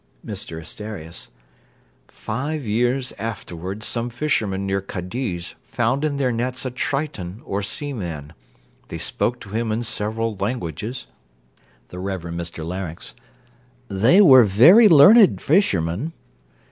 MR ASTERIAS Five years afterwards, some fishermen near Cadiz found in their nets a triton, or sea man; they spoke to him in several languages THE REVEREND MR LARYNX They were very learned fishermen.